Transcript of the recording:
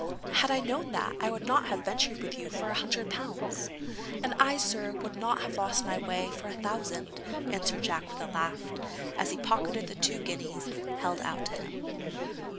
'Had I known that, I would not have ventured with you for a hundred pounds.' 'And I, sir, would not have lost my way for a thousand,' answered Jack with a laugh, as he pocketed the two guineas held out to him.